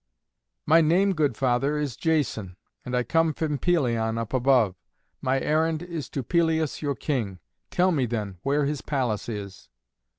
"My name, good father, is Jason, and I come from Pelion up above. My errand is to Pelias your King. Tell me, then, where his palace is."